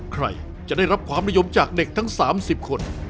ใครจะได้รับความนิยมจากเด็กทั้ง๓๐คน